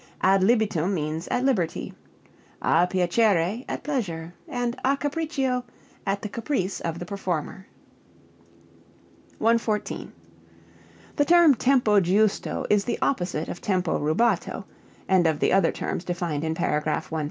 Ad libitum means at liberty; a piacere, at pleasure; and a capriccio, at the caprice (of the performer). 114. The term tempo giusto is the opposite of tempo rubato (and of the other terms defined in paragraph 113).